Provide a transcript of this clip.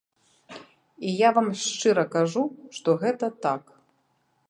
І я вам шчыра кажу, што гэта так.